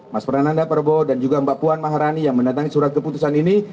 mas perananda perbo dan juga mbak puan maharani yang menantangi surat keputusan ini